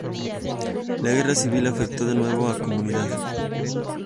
La Guerra Civil afectó de nuevo a la comunidad.